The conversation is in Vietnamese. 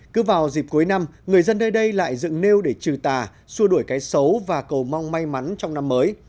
cứ vào dịp cuối năm người dân nơi đây lại dựng nêu để trừ tà xua đuổi cái xấu và cầu mong may mắn trong năm mới